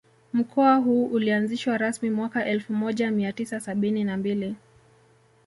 Mkoa huu ulianzishwa rasmi mwaka elfu moja mia tisa sabini na mbili